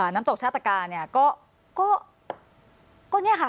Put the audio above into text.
น้ำตกชาตกาเนี่ยก็เนี่ยค่ะ